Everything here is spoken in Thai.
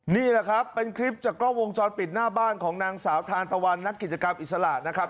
นี่แหละครับเป็นคลิปจากกล้องวงจรปิดหน้าบ้านของนางสาวทานตะวันนักกิจกรรมอิสระนะครับ